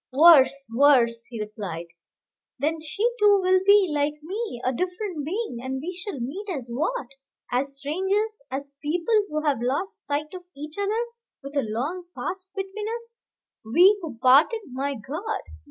"Worse, worse!" he replied; "then she too will be, like me, a different being, and we shall meet as what? as strangers, as people who have lost sight of each other, with a long past between us, we who parted, my God!